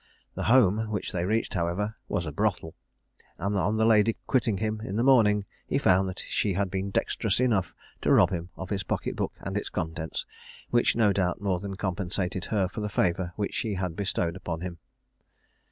The "home" which they reached, however, was a brothel; and on the lady quitting him in the morning, he found that she had been dexterous enough to rob him of his pocket book and its contents, which no doubt more than compensated her for the favour which she had bestowed upon him.